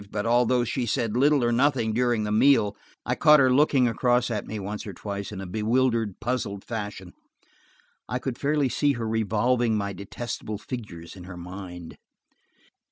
But although she said little or nothing during the meal, I caught her looking across at me once or twice in a bewildered, puzzled fashion. I could fairly see her revolving my detestable figures in her mind.